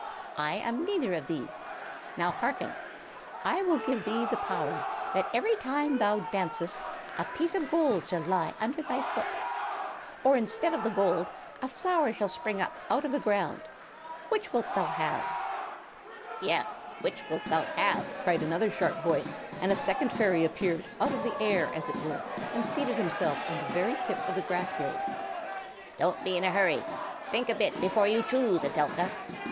I am neither of these. Now, hearken. I will give thee the power that every time thou dancest a piece of gold shall lie under thy foot or, instead of the gold, a flower shall spring up out of the ground; which wilt thou have?" "Yes; which wilt thou have?" cried another sharp voice, and a second fairy appeared, out of the air as it were, and seated himself on the very tip of the grass blade. "Don't be in a hurry. Think a bit before you choose, Etelka.